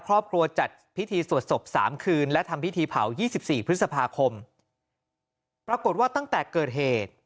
ครอบครัวจัดพิธีสวดศพ๓คืนและทำพิธีเผา๒๔พฤษภาคมปรากฏว่าตั้งแต่เกิดเหตุ